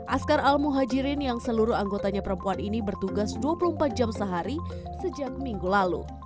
askar al muhajirin yang seluruh anggotanya perempuan ini bertugas dua puluh empat jam sehari sejak minggu lalu